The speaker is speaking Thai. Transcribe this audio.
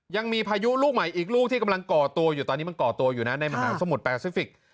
ยังมีพายุลูกใหม่อีกลูกที่กำลังก่อตัวอยู่ตอนนี้มันก่อตัวอยู่นะในมหาสมุทรแปซิฟิกส์